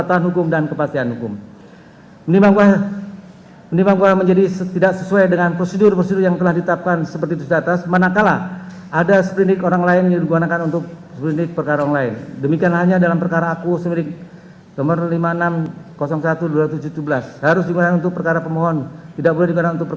dan memperoleh informasi yang benar jujur tidak diskriminasi tentang kinerja komisi pemberantasan korupsi harus dipertanggungjawab